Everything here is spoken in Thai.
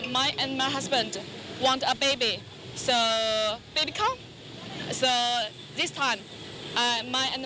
แม่ข้าจับตัวเงินไปมาก่อน